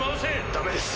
ダメです。